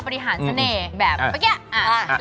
บริหารเสน่ห์แบบเมื่อกี้